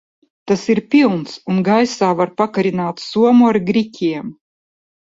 Tas ir pilns un gaisā var pakarināt somu ar griķiem.